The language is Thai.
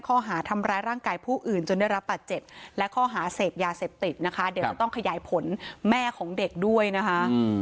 โคตรที่มีเวลามากขึ้นจนได้รับปัจจศและข้อหาเสพยาเสพติดนะคะเดี๋ยวต้องขยายผลแม่ของเด็กด้วยนะคะ